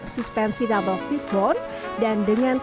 suspensi double fistbone dan dengan kabel